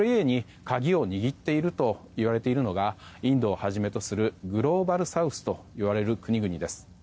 それ故に鍵を握っているといわれているのがインドをはじめとするグローバルサウスといわれる国々です。